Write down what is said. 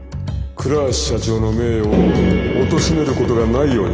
倉橋社長の名誉をおとしめることがないように。